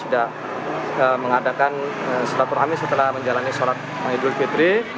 setelah mengadakan sholat ur rahmi setelah menjalani sholat idul fitri